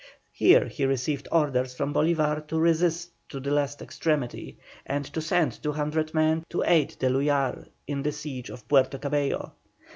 Here he received orders from Bolívar to resist to the last extremity, and to send 200 men to aid D'Eluyar in the siege of Puerto Cabello.